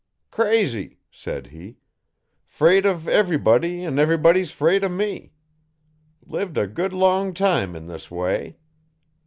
'Crazy,' said he; ''fraid uv everybody an' everybody's 'fraid o' me. Lived a good long time in this way.